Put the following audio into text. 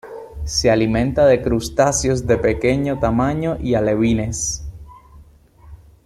Se alimenta de crustáceos de pequeño tamaño y alevines.